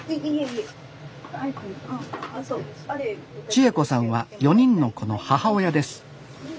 知恵子さんは４人の子の母親です